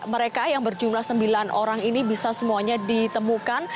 mereka yang berjumlah sembilan orang ini bisa semuanya ditemukan